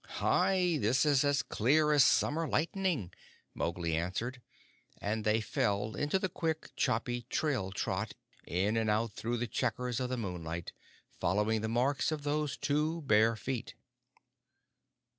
"Hai! This is as clear as summer lightning," Mowgli answered; and they fell into the quick, choppy trail trot in and out through the checkers of the moonlight, following the marks of those two bare feet.